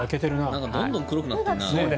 どんどん黒くなってるな。